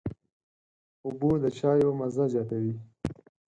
اوبه د چايو مزه زیاتوي.